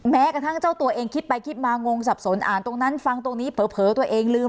แม้กระทั่งเจ้าตัวเองคิดไปคิดมางงสับสนอ่านตรงนั้นฟังตรงนี้เผลอตัวเองลืม